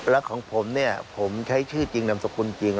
แล้วของผมเนี่ยผมใช้ชื่อจริงนามสกุลจริง